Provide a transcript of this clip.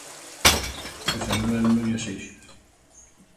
Xosé Manuel Núñez Seixas.